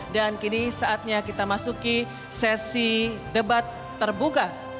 kini saatnya kita masuki sesi debat terbuka